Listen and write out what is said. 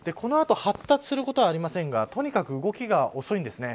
この後、発達することはありませんがとにかく動きが遅いんです。